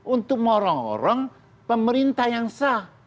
untuk morong orong pemerintah yang sah